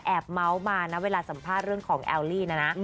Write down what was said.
แอบเมาท์มานะเวลาสัมภาษณ์ของแอลลี่นะนะ